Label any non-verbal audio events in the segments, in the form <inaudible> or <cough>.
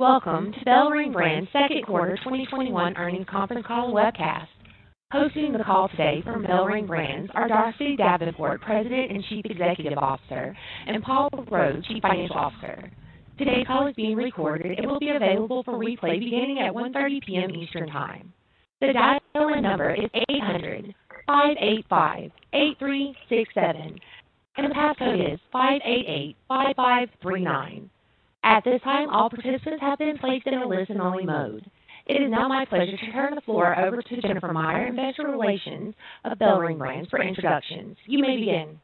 Welcome to BellRing Brands' second quarter 2021 earnings conference call webcast. Hosting the call today from BellRing Brands are Darcy Davenport, President and Chief Executive Officer, and Paul Rode, Chief Financial Officer. Today's call is being recorded and will be available for replay beginning at 1:30 P.M. Eastern Time. It is now my pleasure to turn the floor over to Jennifer Meyer, Investor Relations of BellRing Brands for introductions. You may begin.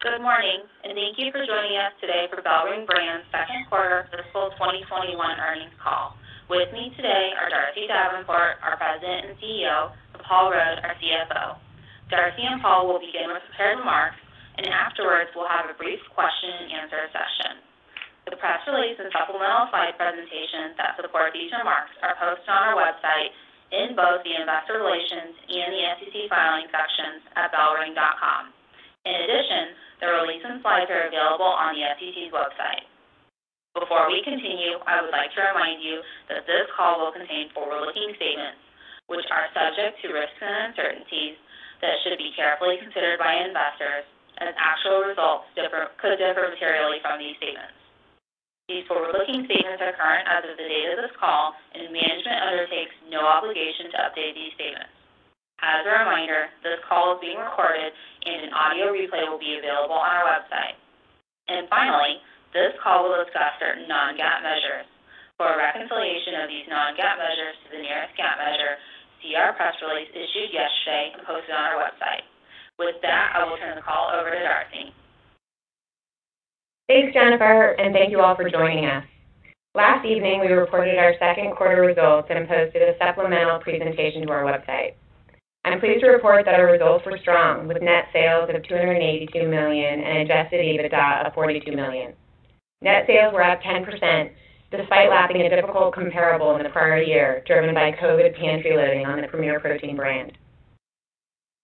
Good morning, and thank you for joining us today for BellRing Brands' second quarter fiscal 2021 earnings call. With me today are Darcy Davenport, our President and CEO, and Paul Rode, our CFO. Darcy and Paul will begin with prepared remarks and afterwards we'll have a brief question and answer session. The press release and supplemental slide presentation that support these remarks are posted on our website in both the Investor Relations and the SEC Filings sections at bellring.com. In addition, the release and slides are available on the SEC's website. Before we continue, I would like to remind you that this call will contain forward-looking statements, which are subject to risks and uncertainties that should be carefully considered by investors as actual results could differ materially from these statements. These forward-looking statements are current as of the date of this call, and management undertakes no obligation to update these statements. As a reminder, this call is being recorded and an audio replay will be available on our website. Finally, this call will discuss certain non-GAAP measures. For a reconciliation of these non-GAAP measures to the nearest GAAP measure, see our press release issued yesterday and posted on our website. With that, I will turn the call over to Darcy. Thanks, Jennifer, and thank you all for joining us. Last evening, we reported our second quarter results and posted a supplemental presentation to our website. I'm pleased to report that our results were strong, with net sales of $282 million and adjusted EBITDA of $42 million. Net sales were up 10%, despite lapping a difficult comparable in the prior year driven by COVID pantry loading on the Premier Protein brand.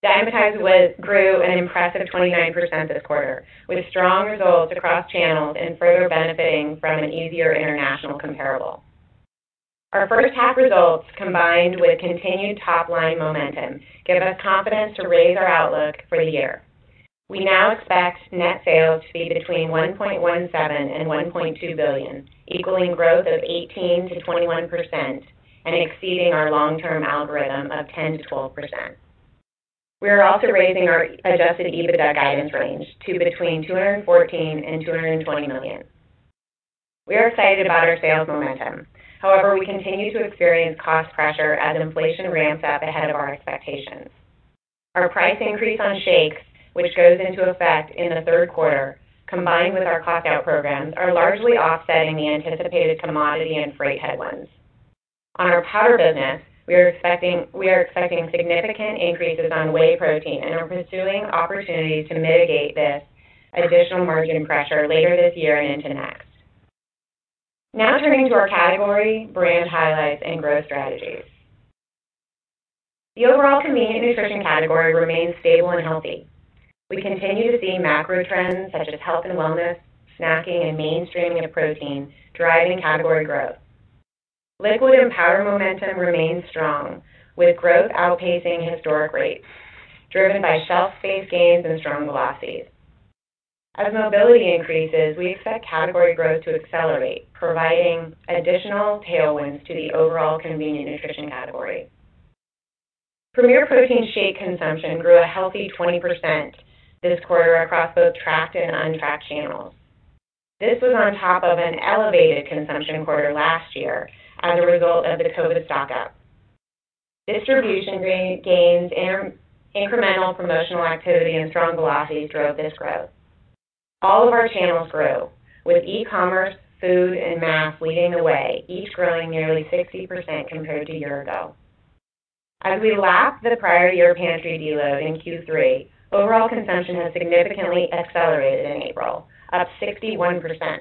Dymatize grew an impressive 29% this quarter, with strong results across channels and further benefiting from an easier international comparable. Our first half results, combined with continued top-line momentum, give us confidence to raise our outlook for the year. We now expect net sales to be between $1.17 billion and $1.2 billion, equaling growth of 18%-21% and exceeding our long-term algorithm of 10%-12%. We are also raising our adjusted EBITDA guidance range to between $214 million and $220 million. We are excited about our sales momentum. We continue to experience cost pressure as inflation ramps up ahead of our expectations. Our price increase on shakes, which goes into effect in the third quarter, combined with our cost out programs, are largely offsetting the anticipated commodity and freight headwinds. Our powder business, we are expecting significant increases on whey protein and are pursuing opportunities to mitigate this additional margin pressure later this year and into next. Turning to our category, brand highlights, and growth strategies. The overall convenient nutrition category remains stable and healthy. We continue to see macro trends such as health and wellness, snacking, and mainstreaming of protein driving category growth. Liquid and powder momentum remains strong, with growth outpacing historic rates driven by shelf space gains and strong velocities. As mobility increases, we expect category growth to accelerate, providing additional tailwinds to the overall convenient nutrition category. Premier Protein shake consumption grew a healthy 20% this quarter across both tracked and untracked channels. This was on top of an elevated consumption quarter last year as a result of the COVID stock-up. Distribution gains and incremental promotional activity and strong velocities drove this growth. All of our channels grew, with e-commerce, food, and mass leading the way, each growing nearly 60% compared to a year ago. As we lap the prior year pantry de-load in Q3, overall consumption has significantly accelerated in April, up 61%.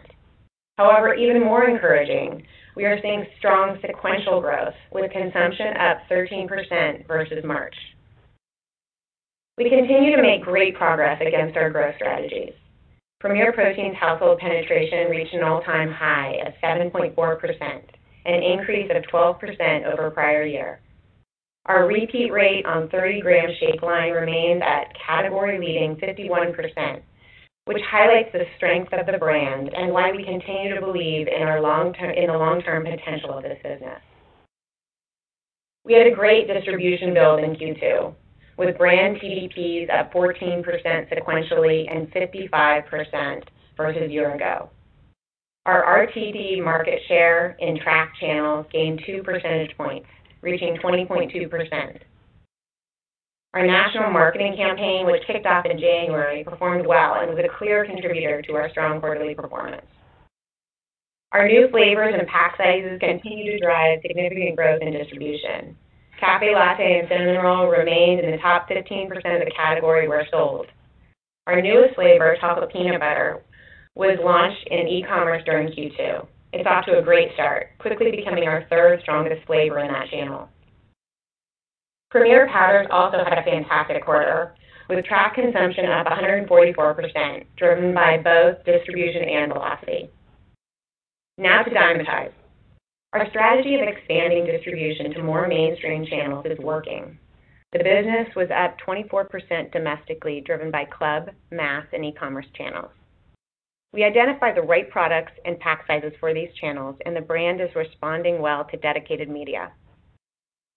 However, even more encouraging, we are seeing strong sequential growth, with consumption up 13% versus March. We continue to make great progress against our growth strategies. Premier Protein's household penetration reached an an all-time high of 7.4%, an increase of 12% over prior year. Our repeat rate on 30g Shake line remains at category-leading 51%, which highlights the strength of the brand and why we continue to believe in the long-term potential of this business. We had a great distribution build in Q2, with brand TDPs up 14% sequentially and 55% versus year-ago. Our RTD market share in tracked channels gained 2 percentage points, reaching 20.2%. Our national marketing campaign, which kicked off in January, performed well and was a clear contributor to our strong quarterly performance. Our new flavors and pack sizes continue to drive significant growth in distribution. Café Latte and Cinnamon Roll remain in the top 15% of the category where sold. Our newest flavor, Chocolate Peanut Butter, was launched in e-commerce during Q2. It's off to a great start, quickly becoming our third strongest flavor in that channel. Premier powders also had a fantastic quarter, with track consumption up 144%, driven by both distribution and velocity. To Dymatize. Our strategy of expanding distribution to more mainstream channels is working. The business was up 24% domestically, driven by club, mass, and e-commerce channels. We identified the right products and pack sizes for these channels. The brand is responding well to dedicated media.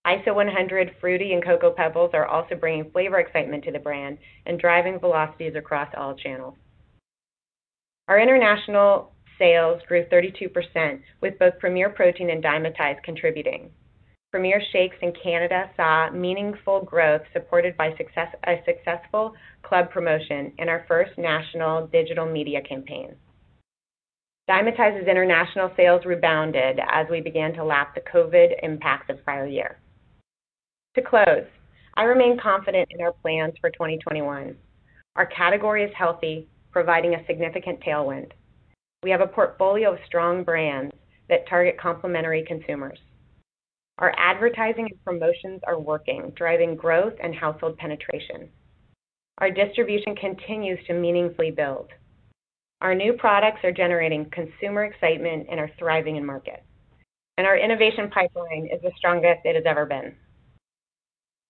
ISO100 Fruity and Cocoa PEBBLES are also bringing flavor excitement to the brand and driving velocities across all channels. Our international sales grew 32% with both Premier Protein and Dymatize contributing. Premier Shakes in Canada saw meaningful growth supported by a successful club promotion and our first national digital media campaign. Dymatize's international sales rebounded as we began to lap the COVID impact of prior year. To close, I remain confident in our plans for 2021. Our category is healthy, providing a significant tailwind. We have a portfolio of strong brands that target complementary consumers. Our advertising and promotions are working, driving growth and household penetration. Our distribution continues to meaningfully build. Our new products are generating consumer excitement and are thriving in market. Our innovation pipeline is the strongest it has ever been.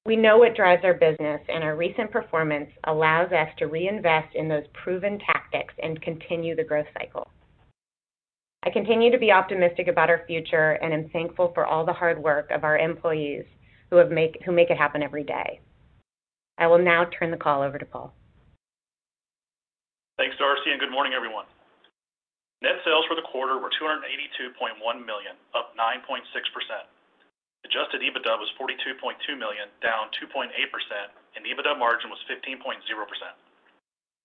We know what drives our business, and our recent performance allows us to reinvest in those proven tactics and continue the growth cycle. I continue to be optimistic about our future and am thankful for all the hard work of our employees who make it happen every day. I will now turn the call over to Paul. Thanks, Darcy. Good morning, everyone. Net sales for the quarter were $282.1 million, up 9.6%. Adjusted EBITDA was $42.2 million, down 2.8%. EBITDA margin was 15.0%.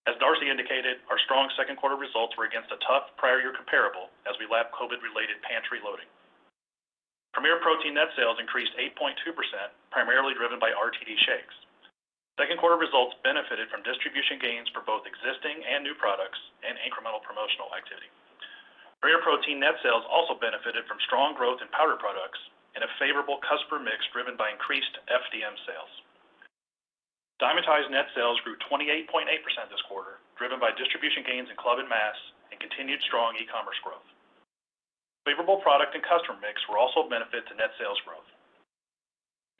As Darcy indicated, our strong second quarter results were against a tough prior year comparable as we lap COVID-related pantry loading. Premier Protein net sales increased 8.2%, primarily driven by RTD shakes. Second quarter results benefited from distribution gains for both existing and new products and incremental promotional activity. Premier Protein net sales also benefited from strong growth in powder products and a favorable customer mix driven by increased FDM sales. Dymatize net sales grew 28.8% this quarter, driven by distribution gains in club and mass and continued strong e-commerce growth. Favorable product and customer mix were also a benefit to net sales growth.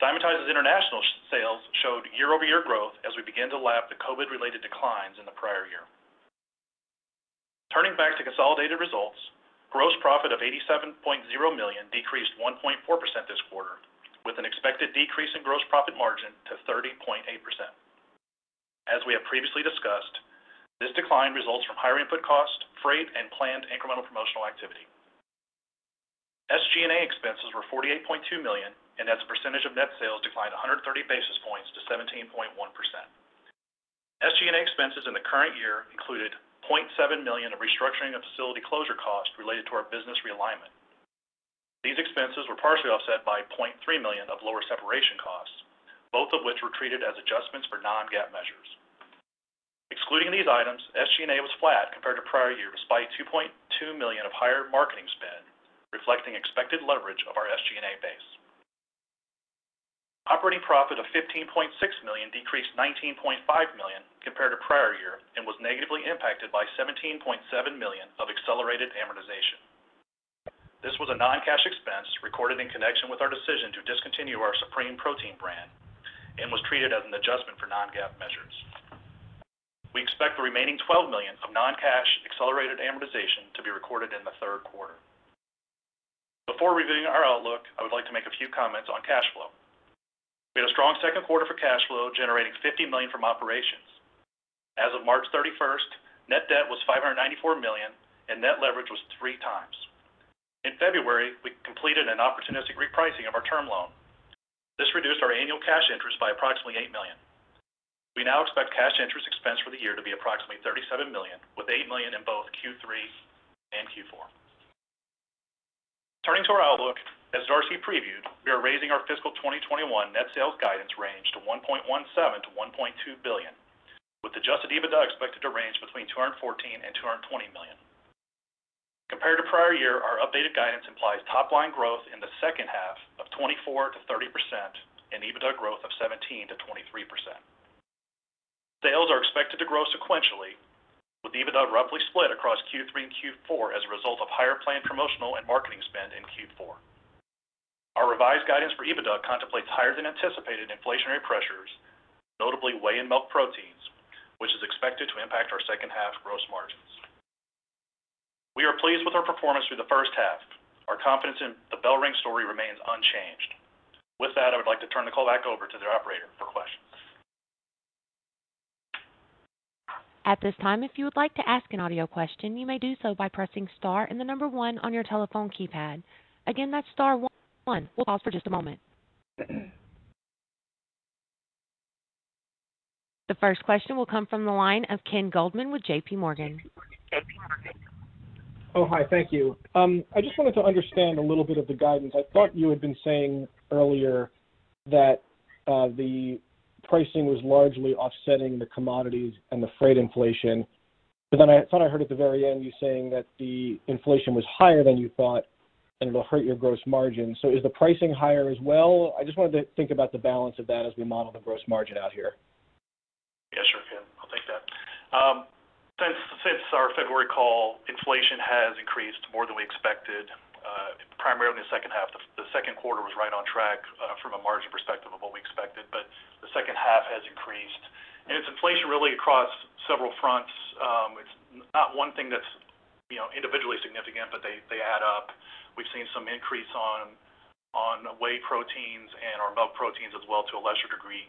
Dymatize's international sales showed year-over-year growth as we began to lap the COVID-related declines in the prior year. Turning back to consolidated results, gross profit of $87.0 million decreased 1.4% this quarter, with an expected decrease in gross profit margin to 30.8%. As we have previously discussed, this decline results from higher input costs, freight, and planned incremental promotional activity. SG&A expenses were $48.2 million, and as a percentage of net sales declined 130 basis points to 17.1%. SG&A expenses in the current year included $0.7 million of restructuring of facility closure costs related to our business realignment. These expenses were partially offset by $0.3 million of lower separation costs, both of which were treated as adjustments for non-GAAP measures. Excluding these items, SG&A was flat compared to prior year, despite $2.2 million of higher marketing spend, reflecting expected leverage of our SG&A base. Operating profit of $15.6 million decreased $19.5 million compared to prior year and was negatively impacted by $17.7 million of accelerated amortization. This was a non-cash expense recorded in connection with our decision to discontinue our Supreme Protein brand and was treated as an adjustment for non-GAAP measures. We expect the remaining $12 million of non-cash accelerated amortization to be recorded in the third quarter. Before reviewing our outlook, I would like to make a few comments on cash flow. We had a strong second quarter for cash flow, generating $50 million from operations. As of March 31st, net debt was $594 million and net leverage was 3x. In February, we completed an opportunistic repricing of our term loan. This reduced our annual cash interest by approximately $8 million. We now expect cash interest expense for the year to be approximately $37 million, with $8 million in both Q3 and Q4. Turning to our outlook, as Darcy previewed, we are raising our fiscal 2021 net sales guidance range to $1.17 billion-$1.2 billion, with adjusted EBITDA expected to range between $214 million and $220 million. Compared to prior year, our updated guidance implies top-line growth in the second half of 24%-30% and EBITDA growth of 17%-23%. Sales are expected to grow sequentially, with EBITDA roughly split across Q3 and Q4 as a result of higher planned promotional and marketing spend in Q4. Our revised guidance for EBITDA contemplates higher-than-anticipated inflationary pressures, notably whey and milk proteins, which is expected to impact our second half gross margins. We are pleased with our performance through the first half. Our confidence in the BellRing story remains unchanged. With that, I would like to turn the call back over to the operator for questions. At this time, if you would like to ask an audio question, you may do so by pressing star and the number one on your telephone keypad. Again, that's star one. We'll pause for just a moment. The first question will come from the line of Ken Goldman with JPMorgan. Oh, hi, thank you. I just wanted to understand a little bit of the guidance. I thought you had been saying earlier that the pricing was largely offsetting the commodities and the freight inflation. I thought I heard at the very end you saying that the inflation was higher than you thought and it'll hurt your gross margin. Is the pricing higher as well? I just wanted to think about the balance of that as we model the gross margin out here. Yeah, sure, Ken. I'll take that. Since our February call, inflation has increased more than we expected, primarily in the second half. The second quarter was right on track from a margin perspective of what we expected, but the second half has increased. It's inflation really across several fronts. It's not one thing that's individually significant, but they add up. We've seen some increase on whey proteins and our milk proteins as well to a lesser degree,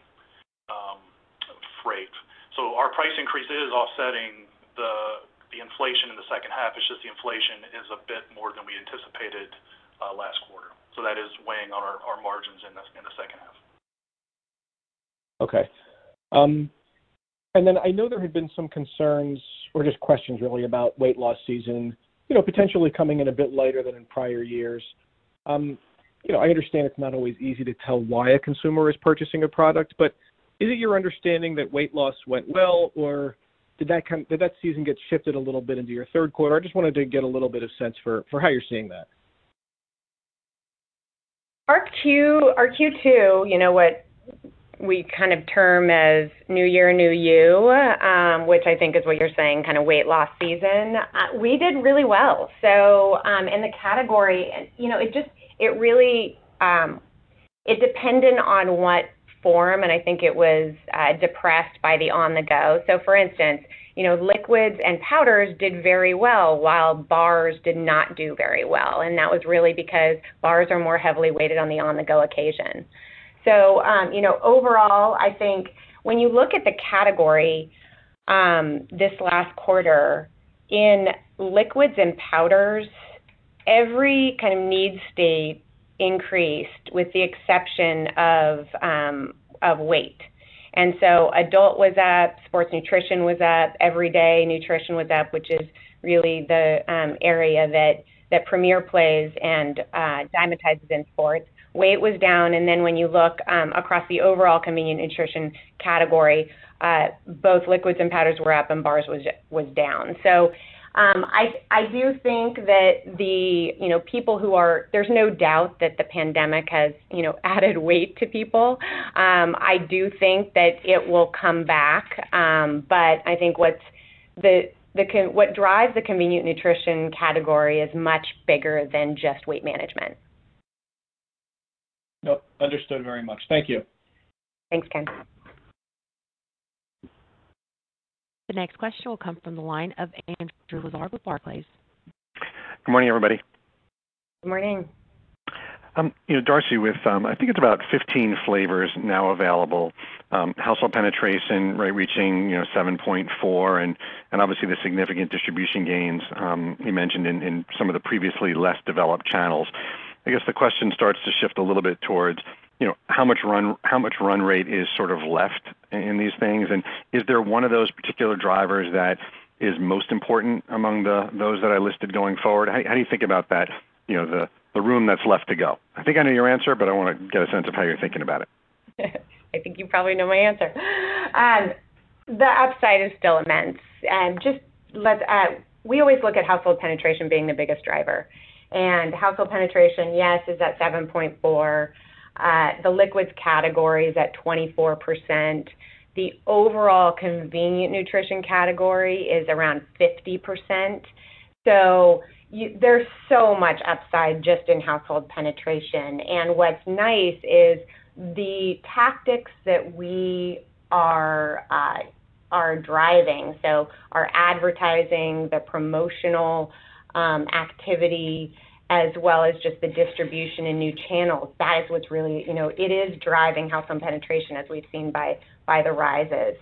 freight. Our price increase is offsetting the inflation in the second half. It's just the inflation is a bit more than we anticipated last quarter. That is weighing on our margins in the second half. Okay. I know there had been some concerns or just questions really about weight loss season potentially coming in a bit later than in prior years. I understand it's not always easy to tell why a consumer is purchasing a product. Is it your understanding that weight loss went well, or did that season get shifted a little bit into your third quarter? I just wanted to get a little bit of sense for how you're seeing that. Our Q2, what we kind of term as new year, new you, which I think is what you're saying, kind of weight loss season, we did really well. In the category, it depended on what form, and I think it was depressed by the on-the-go. For instance, liquids and powders did very well while bars did not do very well. That was really because bars are more heavily weighted on the on-the-go occasion. Overall, I think when you look at the category, this last quarter in liquids and powders, every kind of need state increased with the exception of weight. Adult was up, sports nutrition was up, everyday nutrition was up, which is really the area that Premier plays and Dymatize is in sports. Weight was down, and then when you look across the overall convenient nutrition category, both liquids and powders were up and bars was down. I do think that there's no doubt that the pandemic has added weight to people. I do think that it will come back. I think what drives the convenient nutrition category is much bigger than just weight management. Yep. Understood very much. Thank you. Thanks, Ken. The next question will come from the line of Andrew Lazar with Barclays. Good morning, everybody. Good morning. Darcy, with, I think it's about 15 flavors now available, household penetration reaching 7.4%, and obviously the significant distribution gains you mentioned in some of the previously less developed channels. I guess the question starts to shift a little bit towards how much run rate is sort of left in these things, and is there one of those particular drivers that is most important among those that I listed going forward? How do you think about that, the room that's left to go? I think I know your answer, but I want to get a sense of how you're thinking about it. I think you probably know my answer. The upside is still immense. We always look at household penetration being the biggest driver. Household penetration, yes, is at 7.4%. The liquids category is at 24%. The overall convenient nutrition category is around 50%. There's so much upside just in household penetration. What's nice is the tactics that we are driving. Our advertising, the promotional activity, as well as just the distribution in new channels. It is driving household penetration, as we've seen by the rises.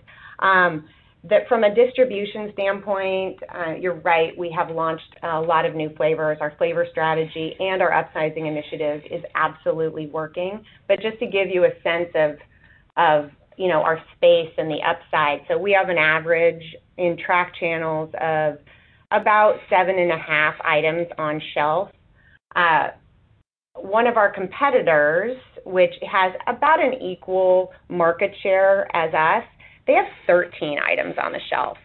From a distribution standpoint, you're right, we have launched a lot of new flavors. Our flavor strategy and our upsizing initiative is absolutely working. Just to give you a sense of our space and the upside. We have an average in track channels of about 7.5 items on shelf. One of our competitors, which has about an equal market share as us, they have 13 items on the shelf.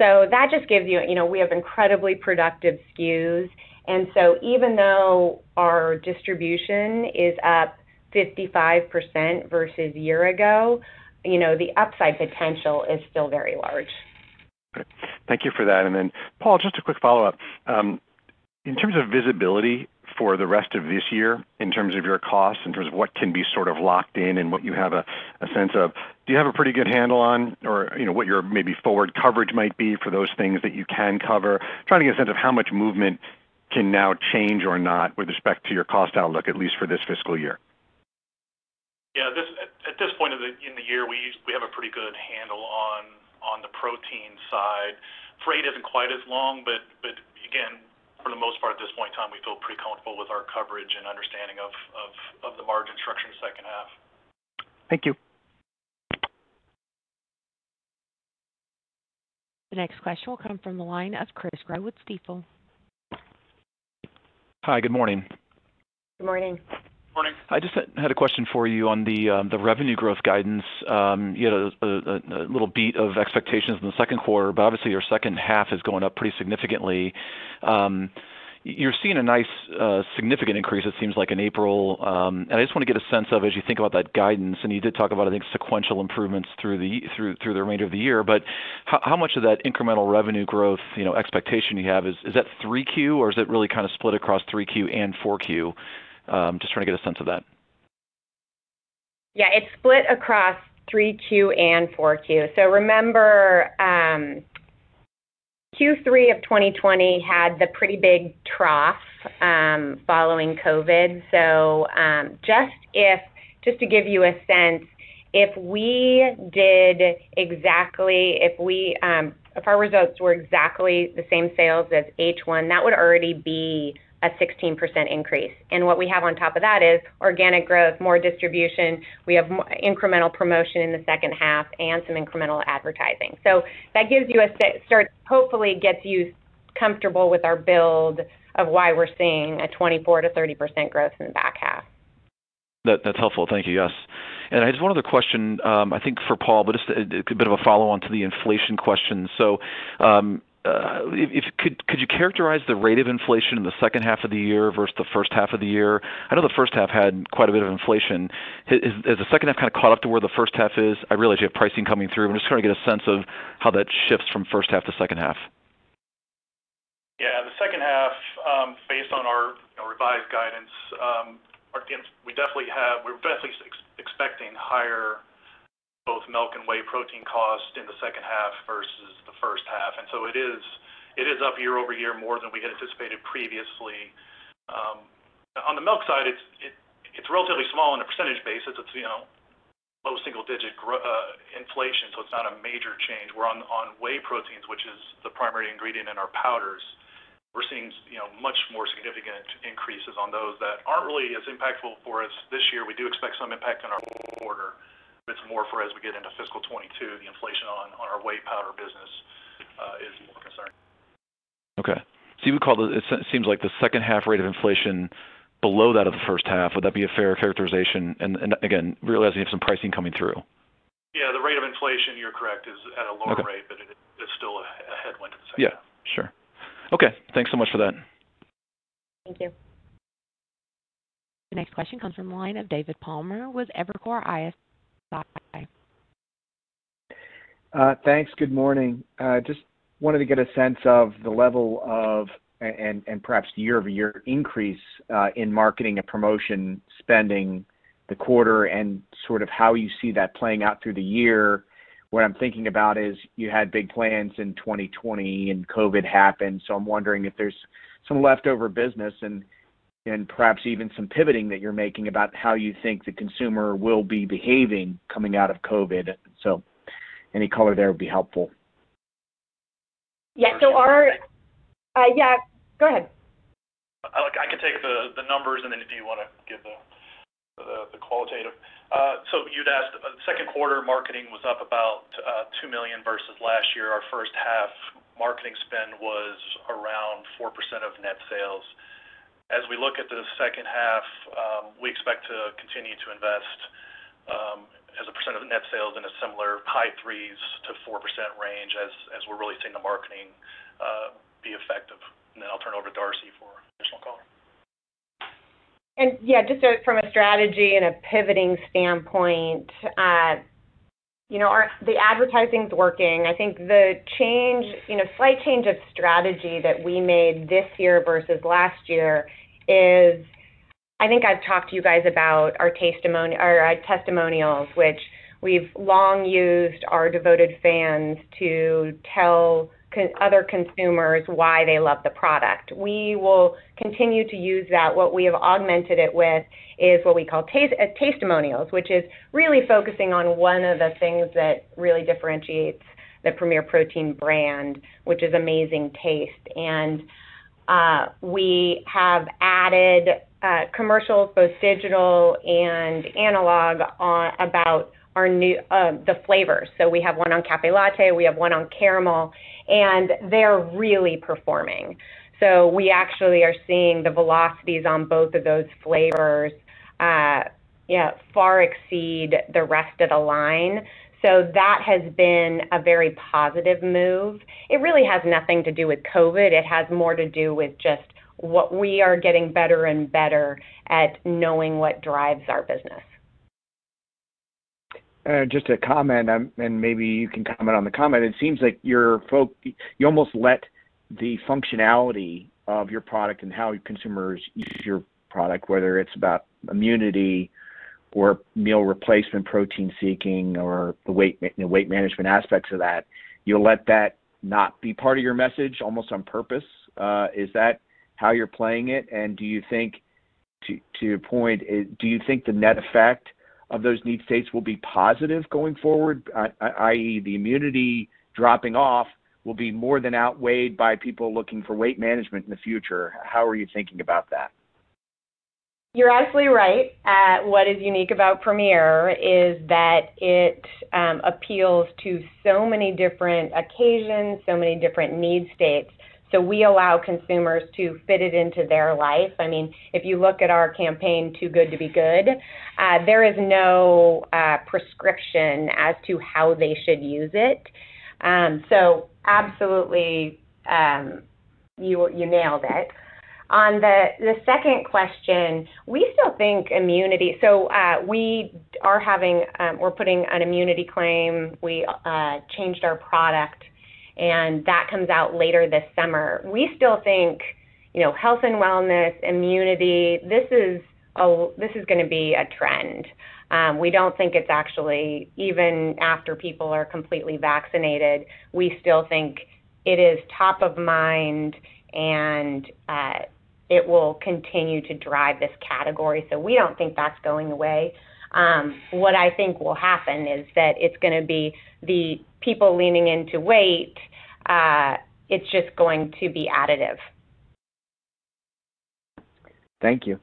We have incredibly productive SKUs, even though our distribution is up 55% versus a year ago, the upside potential is still very large. Great. Thank you for that. Paul, just a quick follow-up. In terms of visibility for the rest of this year, in terms of your costs, in terms of what can be sort of locked in and what you have a sense of, do you have a pretty good handle on, or what your maybe forward coverage might be for those things that you can cover? Trying to get a sense of how much movement can now change or not with respect to your cost outlook, at least for this fiscal year. Yeah. At this point in the year, we have a pretty good handle on the protein side. Freight isn't quite as long, but again, for the most part, at this point in time, we feel pretty comfortable with our coverage and understanding of the margin structure in the second half. Thank you. The next question will come from the line of Chris Growe with Stifel. Hi, good morning. Good morning. Good morning. I just had a question for you on the revenue growth guidance. You had a little beat of expectations in the second quarter. Obviously your second half is going up pretty significantly. You're seeing a nice, significant increase, it seems like in April. I just want to get a sense of, as you think about that guidance, and you did talk about, I think, sequential improvements through the remainder of the year, but how much of that incremental revenue growth expectation you have, is that 3Q or is it really split across 3Q and 4Q? Just trying to get a sense of that. Yeah, it's split across 3Q and 4Q. Remember, Q3 of 2020 had the pretty big trough, following COVID. Just to give you a sense, if our results were exactly the same sales as H1, that would already be a 16% increase. What we have on top of that is organic growth, more distribution. We have incremental promotion in the second half and some incremental advertising. That hopefully gets you comfortable with our build of why we're seeing a 24%-30% growth in the back half. That's helpful. Thank you. Yes. I just one other question, I think for Paul, but just a bit of a follow-on to the inflation question. Could you characterize the rate of inflation in the second half of the year versus the first half of the year? I know the first half had quite a bit of inflation. Has the second half caught up to where the first half is? I realize you have pricing coming through. I am just trying to get a sense of how that shifts from first half to second half. Yeah, the second half, based on our revised guidance, we're definitely expecting higher both milk and whey protein cost in the second half versus the first half. It is up year-over-year more than we had anticipated previously. On the milk side, it's relatively small on a percentage basis. It's low single-digit inflation, so it's not a major change. Where on whey proteins, which is the primary ingredient in our powders, we're seeing much more significant increases on those that aren't really as impactful for us this year. We do expect some impact on our quarter, but it's more for as we get into fiscal 2022, the inflation on our whey powder business is more concerning. Okay. It seems like the second half rate of inflation below that of the first half. Would that be a fair characterization, again, realizing you have some pricing coming through? Yeah, the rate of inflation, you're correct, is at a lower rate. Okay. It is still a headwind in the second half. Yeah, sure. Okay, thanks so much for that. Thank you. The next question comes from the line of David Palmer with Evercore ISI. Thanks. Good morning. Just wanted to get a sense of the level of, and perhaps year-over-year increase, in marketing and promotion spending the quarter, and sort of how you see that playing out through the year. What I'm thinking about is you had big plans in 2020, and COVID happened. I'm wondering if there's some leftover business and perhaps even some pivoting that you're making about how you think the consumer will be behaving coming out of COVID. Any color there would be helpful. Yeah. Yeah, go ahead. I can take the numbers and then if you want to give the qualitative. You'd asked, second quarter marketing was up about $2 million versus last year. Our first half marketing spend was around 4% of net sales. As we look at the second half, we expect to continue to invest, as a percent of net sales, in a similar high 3%-4% range as we're really seeing the marketing be effective. I'll turn it over to Darcy for additional color. Yeah, just from a strategy and a pivoting standpoint, the advertising's working. I think the slight change of strategy that we made this year versus last year is, I think I've talked to you guys about our testimonials, which we've long used our devoted fans to tell other consumers why they love the product. We will continue to use that. What we have augmented it with is what we call tastemonials, which is really focusing on one of the things that really differentiates the Premier Protein brand, which is amazing taste. We have added commercials, both digital and analog, about the flavors. We have one on Café Latte, we have one on Caramel, and they're really performing. We actually are seeing the velocities on both of those flavors far exceed the rest of the line. That has been a very positive move. It really has nothing to do with COVID. It has more to do with just what we are getting better and better at knowing what drives our business. Just a comment. Maybe you can comment on the comment. It seems like you almost let the functionality of your product and how consumers use your product, whether it's about immunity or meal replacement, protein seeking, or the weight management aspects of that, you'll let that not be part of your message almost on purpose. Is that how you're playing it? Do you think, to your point, do you think the net effect of those need states will be positive going forward, i.e., the immunity dropping off will be more than outweighed by people looking for weight management in the future? How are you thinking about that? You're absolutely right. What is unique about Premier is that it appeals to so many different occasions, so many different need states. We allow consumers to fit it into their life. If you look at our campaign, Too Good To Be Good, there is no prescription as to how they should use it. Absolutely, you nailed it. On the second question, we still think immunity. We're putting an immunity claim. We changed our product, and that comes out later this summer. We still think, health and wellness, immunity, this is going to be a trend. Even after people are completely vaccinated, we still think it is top of mind, and it will continue to drive this category. We don't think that's going away. What I think will happen is that it's going to be the people leaning into weight, it's just going to be additive. Thank you.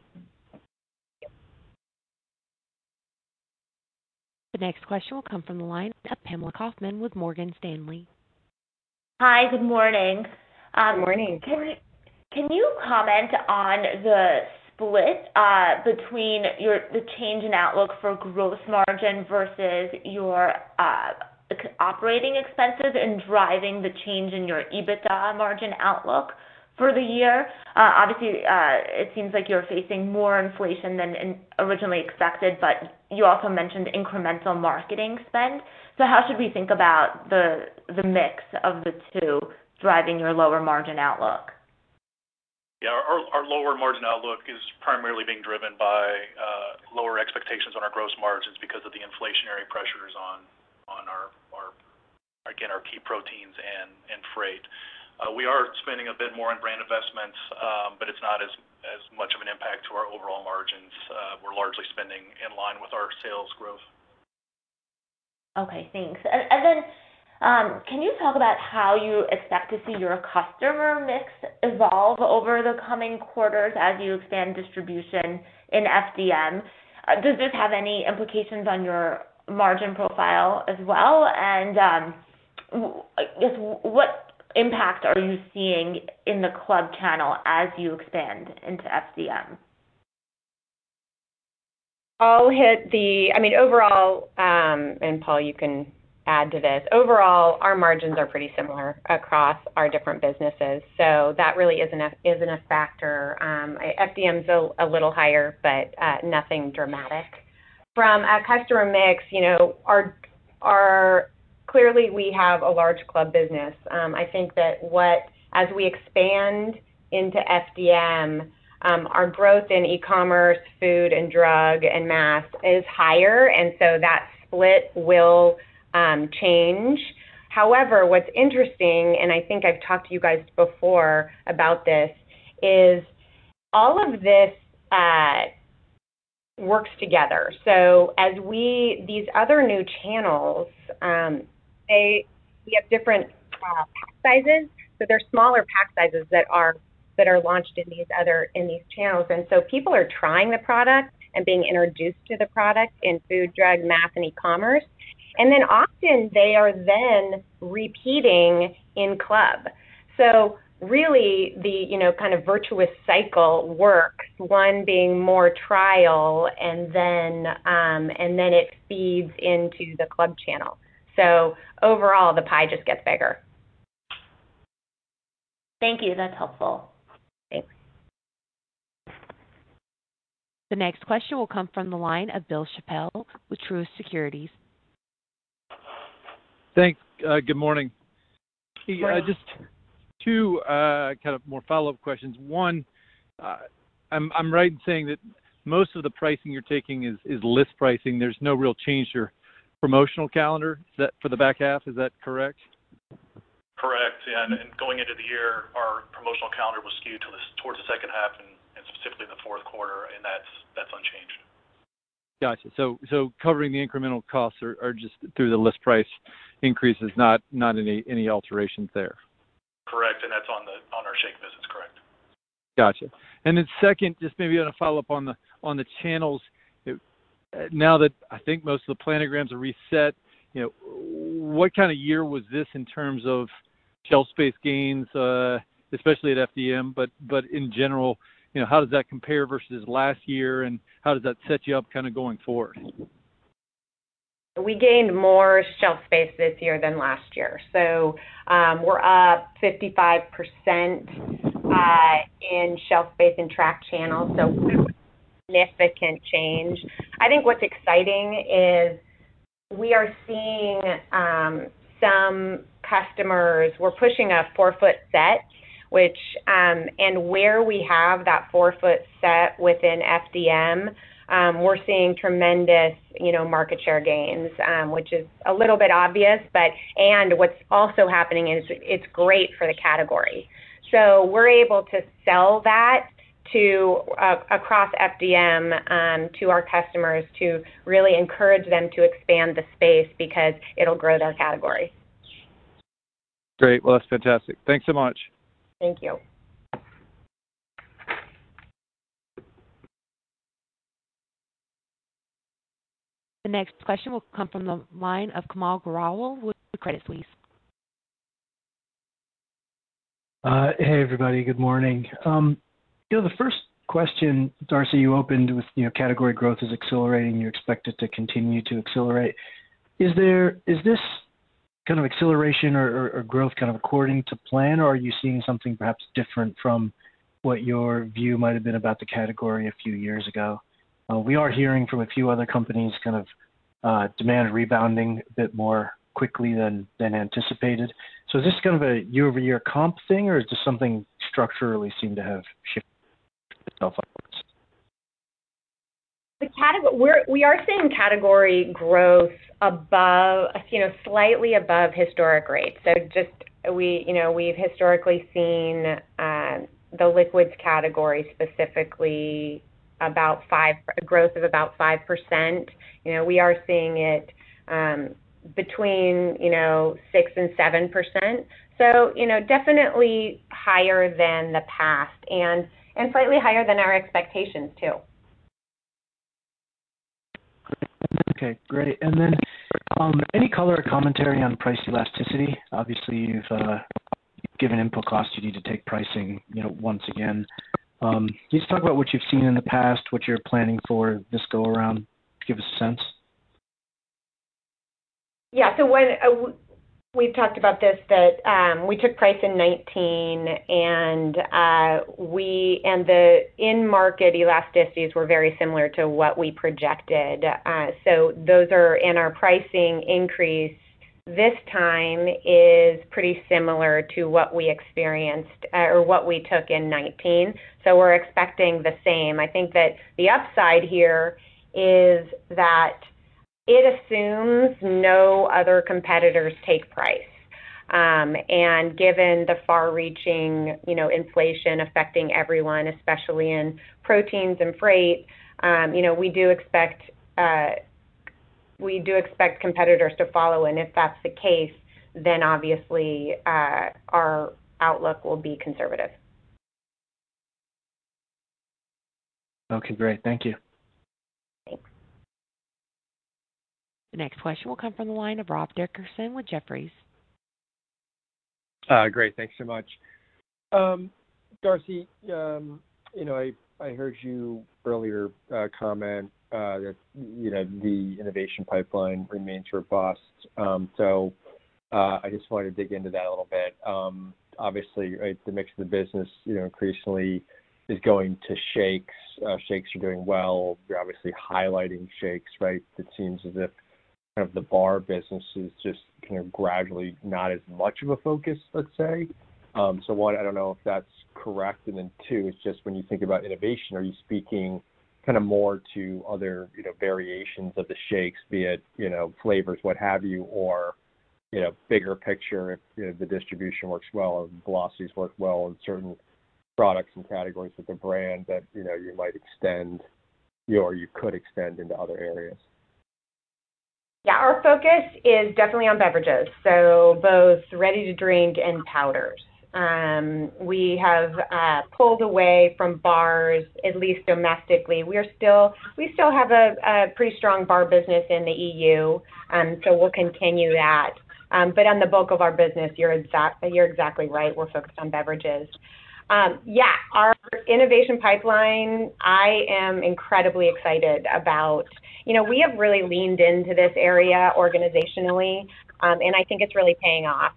The next question will come from the line of Pamela Kaufman with Morgan Stanley. Hi, good morning. Good morning. Can you comment on the split between the change in outlook for gross margin versus your operating expenses in driving the change in your EBITDA margin outlook for the year? Obviously, it seems like you're facing more inflation than originally expected, but you also mentioned incremental marketing spend. How should we think about the mix of the two driving your lower margin outlook? Our lower margin outlook is primarily being driven by lower expectations on our gross margins because of the inflationary pressures on our key proteins and freight. We are spending a bit more on brand investments, but it's not as much of an impact to our overall margins. We're largely spending in line with our sales growth. Okay, thanks. Can you talk about how you expect to see your customer mix evolve over the coming quarters as you expand distribution in FDM? Does this have any implications on your margin profile as well? Just what impact are you seeing in the club channel as you expand into FDM? I mean, overall, and Paul, you can add to this. Overall, our margins are pretty similar across our different businesses. That really isn't a factor. FDM's a little higher, but nothing dramatic. From a customer mix, clearly we have a large club business. I think that as we expand into FDM, our growth in e-commerce, food and drug, and mass is higher, and so that split will change. What's interesting, and I think I've talked to you guys before about this, is all of this works together. These other new channels, we have different pack sizes, but they're smaller pack sizes that are launched in these channels. People are trying the product and being introduced to the product in food, drug, mass, and e-commerce. Often they are then repeating in club. Really the kind of virtuous cycle works, one being more trial and then it feeds into the club channel. Overall, the pie just gets bigger. Thank you. That's helpful. Thanks. The next question will come from the line of Bill Chappell with Truist Securities. Thanks. Good morning. Good morning. Just two kind of more follow-up questions. One, I'm right in saying that most of the pricing you're taking is list pricing. There's no real change to your promotional calendar for the back half. Is that correct? Correct. Yeah, going into the year, our promotional calendar was skewed towards the second half and specifically in the fourth quarter, and that's unchanged. Got you. Covering the incremental costs are just through the list price increases, not any alterations there? Correct, that's on our shake business. Correct. Got you. Second, just maybe on a follow-up on the channels. Now that I think most of the planograms are reset, what kind of year was this in terms of shelf space gains, especially at FDM, but in general, how does that compare versus last year, and how does that set you up kind of going forward? We gained more shelf space this year than last year. We're up 55% in shelf space and track channels, so significant change. I think what's exciting is we are seeing some customers, we're pushing a four-foot set, and where we have that four-foot set within FDM, we're seeing tremendous market share gains, which is a little bit obvious. What's also happening is it's great for the category. We're able to sell that across FDM to our customers to really encourage them to expand the space because it'll grow their category. Great. Well, that's fantastic. Thanks so much. Thank you. The next question will come from the line of Kaumil Gajrawala with Credit Suisse. Hey, everybody. Good morning. The first question, Darcy, you opened with category growth is accelerating. You expect it to continue to accelerate. Is this kind of acceleration or growth kind of according to plan, or are you seeing something perhaps different from what your view might have been about the category a few years ago? We are hearing from a few other companies kind of demand rebounding a bit more quickly than anticipated. Is this kind of a year-over-year comp thing, or does something structurally seem to have? <audio distortion> We are seeing category growth slightly above historic rates. We've historically seen the liquids category, specifically, a growth of about 5%. We are seeing it between 6% and 7%. Definitely higher than the past and slightly higher than our expectations, too. Okay. Great. Any color or commentary on price elasticity? Obviously, given input costs, you need to take pricing once again. Can you just talk about what you've seen in the past, what you're planning for this go around? Give us a sense. We've talked about this, that we took price in 2019, and the in-market elasticities were very similar to what we projected. Those are in our pricing increase this time is pretty similar to what we took in 2019. We're expecting the same. I think that the upside here is that it assumes no other competitors take price. Given the far-reaching inflation affecting everyone, especially in proteins and freight, we do expect competitors to follow. If that's the case, then obviously our outlook will be conservative. Okay, great. Thank you. Thanks. The next question will come from the line of Rob Dickerson with Jefferies. Great. Thanks so much. Darcy, I heard you earlier comment that the innovation pipeline remains robust. I just wanted to dig into that a little bit. Obviously, the mix of the business increasingly is going to shakes. Shakes are doing well. You're obviously highlighting shakes, right? It seems as if kind of the bar business is just kind of gradually not as much of a focus, let's say. One, I don't know if that's correct. Two, it's just when you think about innovation, are you speaking kind of more to other variations of the shakes, be it flavors, what have you, or bigger picture, if the distribution works well or velocities work well in certain products and categories with the brand that you might extend, or you could extend into other areas? Yeah, our focus is definitely on beverages, so both ready-to-drink and powders. We have pulled away from bars, at least domestically. We still have a pretty strong bar business in the EU. We'll continue that. On the bulk of our business, you're exactly right. We're focused on beverages. Yeah, our innovation pipeline, I am incredibly excited about. We have really leaned into this area organizationally. I think it's really paying off.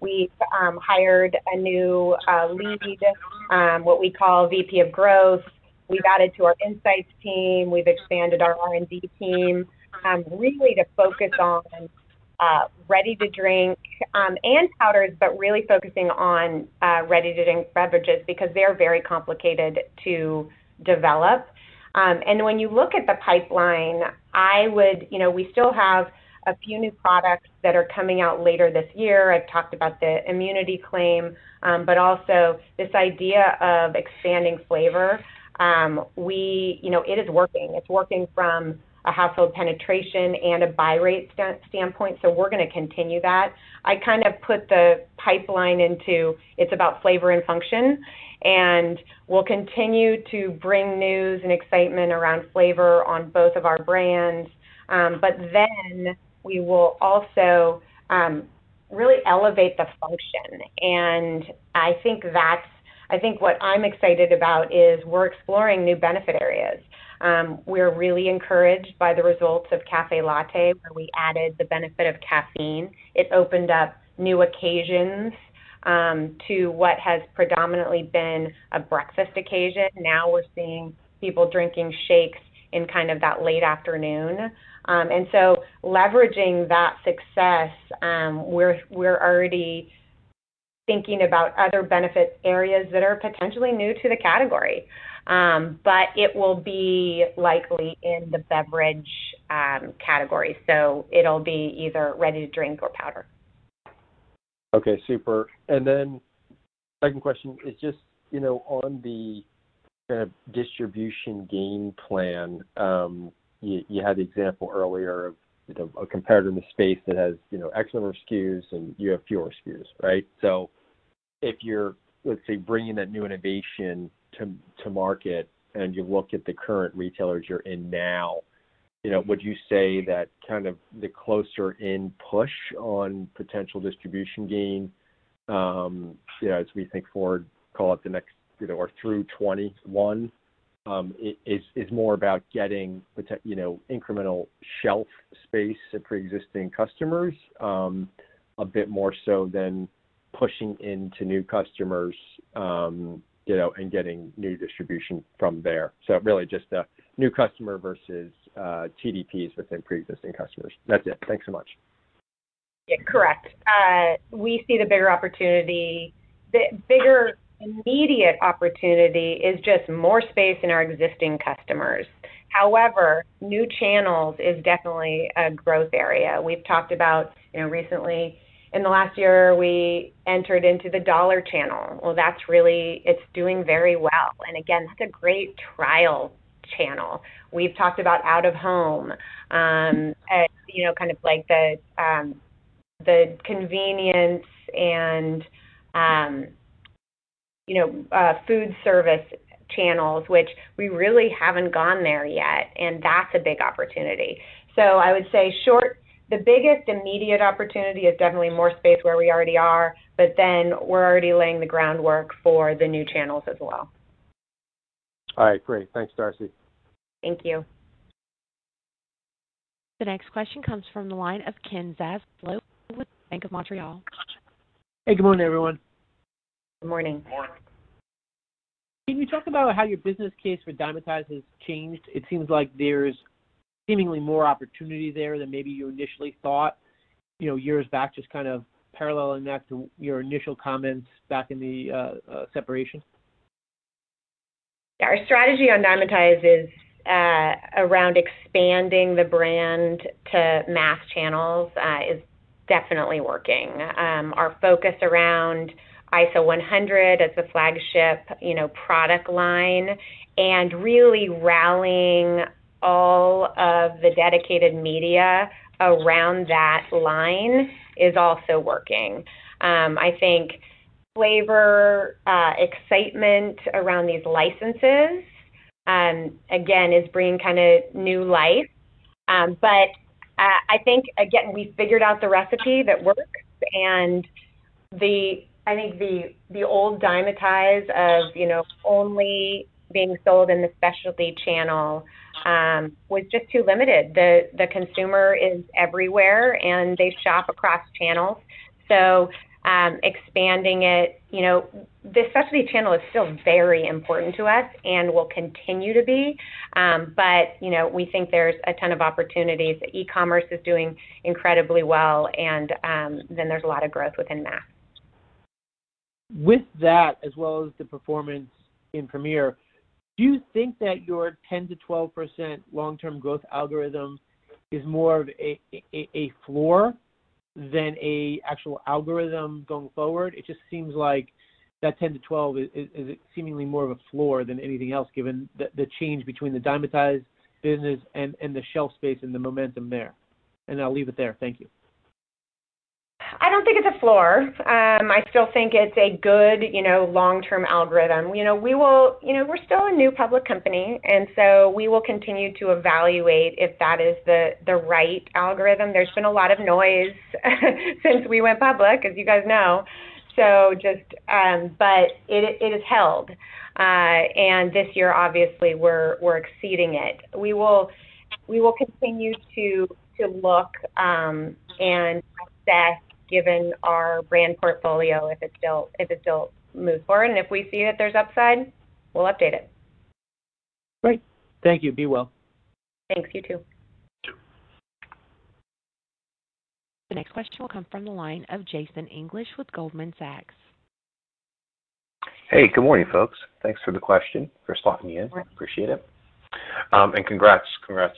We hired a new lead, <audio distortion> what we call VP of Growth. We've added to our insights team. We've expanded our R&D team, really to focus on ready-to-drink and powders, but really focusing on ready-to-drink beverages because they're very complicated to develop. When you look at the pipeline, we still have a few new products that are coming out later this year. I've talked about the immunity claim. Also this idea of expanding flavor. It is working. It's working from a household penetration and a buy rate standpoint, so we're going to continue that. I kind of put the pipeline into, it's about flavor and function, we'll continue to bring news and excitement around flavor on both of our brands. Then we will also really elevate the function. I think what I'm excited about is we're exploring new benefit areas. We're really encouraged by the results of Café Latte, where we added the benefit of caffeine. It opened up new occasions to what has predominantly been a breakfast occasion. Now we're seeing people drinking shakes in kind of that late afternoon. So leveraging that success, we're already thinking about other benefit areas that are potentially new to the category. It will be likely in the beverage category, so it'll be either ready-to-drink or powder. Okay. Super. Second question is just on the kind of distribution gain plan. You had the example earlier of a competitor in the space that has excellent SKUs and you have fewer SKUs, right? If you're, let's say, bringing a new innovation to market and you look at the current retailers you're in now, would you say that kind of the closer in push on potential distribution gain, as we think forward, call it through 2021, is more about getting incremental shelf space to pre-existing customers a bit more so than pushing into new customers, and getting new distribution from there. Really just the new customer versus TDPs within pre-existing customers. That's it. Thanks so much. Yeah. Correct. We see the bigger opportunity. The bigger immediate opportunity is just more space in our existing customers. However, new channels is definitely a growth area. We've talked about recently in the last year, we entered into the dollar channel. Well, it's doing very well. Again, that's a great trial channel. We've talked about out of home, kind of like the convenience and food service channels, which we really haven't gone there yet, and that's a big opportunity. I would say the biggest immediate opportunity is definitely more space where we already are, but then we're already laying the groundwork for the new channels as well. All right, great. Thanks, Darcy. Thank you. The next question comes from the line of Ken Zaslow, Bank of Montreal. Hey, good morning, everyone. Good morning. Good morning. Can you talk about how your business case for Dymatize has changed? It seems like there's seemingly more opportunity there than maybe you initially thought years back, just kind of paralleling that to your initial comments back in the separation. Our strategy on Dymatize is around expanding the brand to mass channels is definitely working. Our focus around ISO100 as a flagship product line and really rallying all of the dedicated media around that line is also working. I think flavor excitement around these licenses, again, is bringing kind of new life. I think, again, we figured out the recipe that works and I think the old Dymatize of only being sold in the specialty channel was just too limited. The consumer is everywhere, and they shop across channels, so expanding it. The specialty channel is still very important to us and will continue to be, but we think there's a ton of opportunities. E-commerce is doing incredibly well and then there's a lot of growth within that. With that, as well as the performance in Premier, do you think that your 10%-12% long-term growth algorithm is more of a floor than an actual algorithm going forward? It just seems like that 10%-12% is seemingly more of a floor than anything else, given the change between the Dymatize business and the shelf space and the momentum there. I'll leave it there. Thank you. I don't think it's a floor. I still think it's a good long-term algorithm. We're still a new public company. We will continue to evaluate if that is the right algorithm. There's been a lot of noise since we went public, as you guys know. It has held. This year, obviously, we're exceeding it. We will continue to look and assess, given our brand portfolio, if it still moves forward, and if we see that there's upside, we'll update it. Great. Thank you. Be well. Thanks. You, too. The next question will come from the line of Jason English with Goldman Sachs. Hey, good morning, folks. Thanks for the question, for slotting me in. Appreciate it. Congrats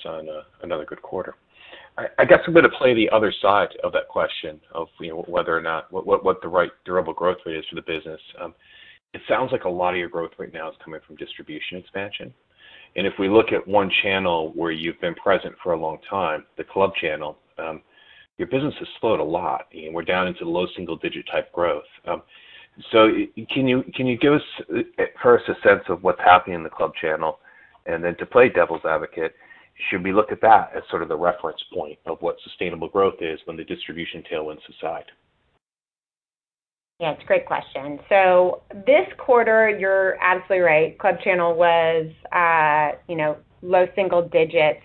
on another good quarter. I guess I'm going to play the other side to that question of what the right durable growth rate is for the business. It sounds like a lot of your growth right now is coming from distribution expansion, and if we look at one channel where you've been present for a long time, the club channel, your business has slowed a lot. We're down into low single digit type growth. Can you give us first a sense of what's happening in the club channel? Then to play devil's advocate, should we look at that as sort of the reference point of what sustainable growth is when the distribution tailwinds subside? Yeah. It's a great question. This quarter, you're absolutely right. Club channel was low single digits,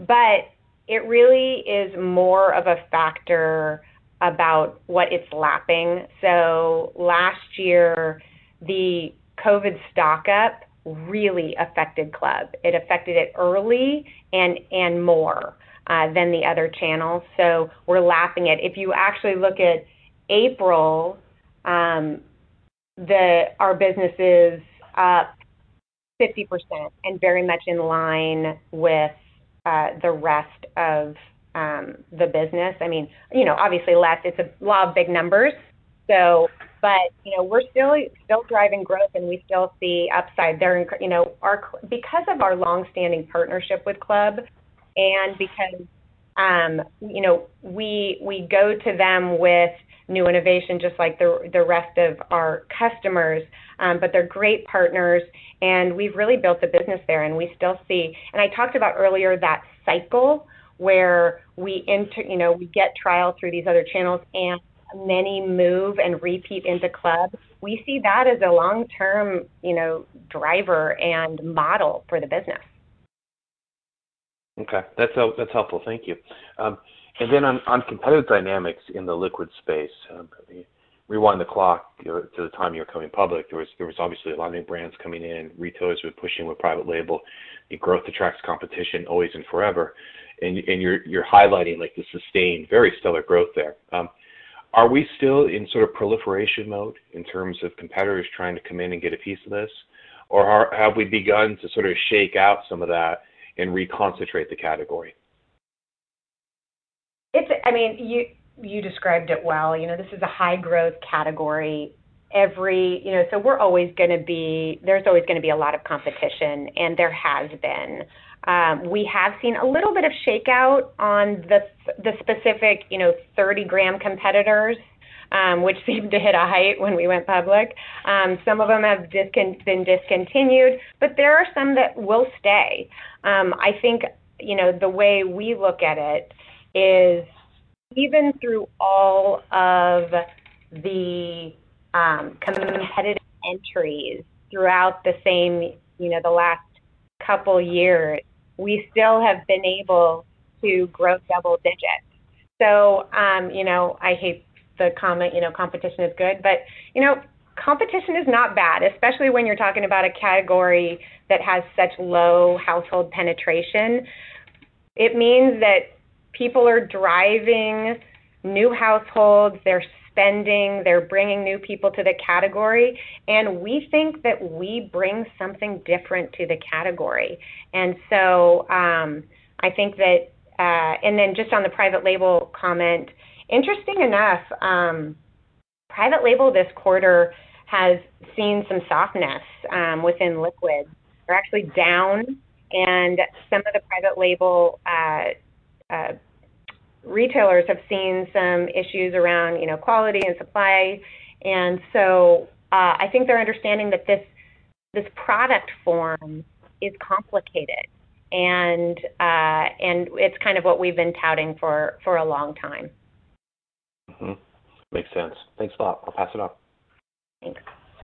but it really is more of a factor about what it's lapping. Last year, the COVID stock-up really affected club. It affected it early and more than the other channels, so we're lapping it. If you actually look at April, our business is up 50% and very much in line with the rest of the business. Obviously less, it's a lot of big numbers, but we're still driving growth and we still see upside there. Because of our longstanding partnership with club, and because we go to them with new innovation just like the rest of our customers, but they're great partners and we've really built a business there, and we still see, I talked about earlier, that cycle where we get trial through these other channels and many move and repeat into club. We see that as a long-term driver and model for the business. Okay. That's helpful. Thank you. On competitive dynamics in the liquid space, rewind the clock to the time you were coming public, there was obviously a lot of new brands coming in, retailers were pushing with private label. Growth attracts competition always and forever, and you're highlighting the sustained, very stellar growth there. Are we still in sort of proliferation mode in terms of competitors trying to come in and get a piece of this? Or have we begun to sort of shake out some of that and reconcentrate the category? You described it well. This is a high growth category. There's always going to be a lot of competition, and there has been. We have seen a little bit of shakeout on the specific 30g competitors, which seemed to hit a height when we went public. Some of them have been discontinued, but there are some that will stay. I think, the way we look at it is even through all of the competitive entries throughout the last couple years, we still have been able to grow double digits. I hate the comment, competition is good, but competition is not bad, especially when you're talking about a category that has such low household penetration. It means that people are driving new households, they're spending, they're bringing new people to the category, and we think that we bring something different to the category. Just on the private label comment, interesting enough, private label this quarter has seen some softness within liquid. We're actually down, and some of the private label retailers have seen some issues around quality and supply. I think they're understanding that this product form is complicated, and it's kind of what we've been touting for a long time. Mm-hmm. Makes sense. Thanks a lot. I'll pass it on. Thanks.